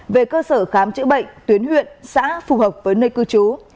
về cơ sở khám chữa bệnh tuyến huyện xã phù hợp với nơi cư trú